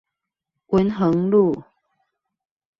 文橫路